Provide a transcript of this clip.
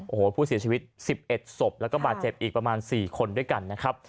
โอ้โหผู้เสียชีวิต๑๑ศพแล้วก็บาดเจ็บอีกประมาณ๔คนด้วยกันนะครับ